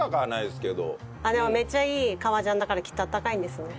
でもめっちゃいい革ジャンだからきっとあったかいんですね。